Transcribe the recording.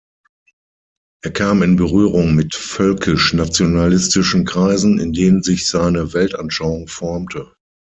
Er kam in Berührung mit völkisch-nationalistischen Kreisen, in denen sich seine Weltanschauung formte.